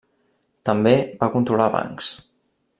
També va controlar bancs.